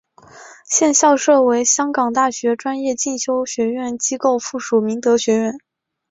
现校舍为香港大学专业进修学院机构附属明德学院。